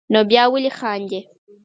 نو بیا ولې خاندې.